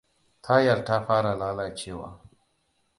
Tayar ta fara lalacewa.